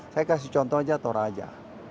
saya kasih contoh aja toraja